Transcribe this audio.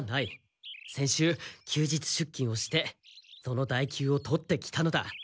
先週休日出勤をしてその代休を取ってきたのだ。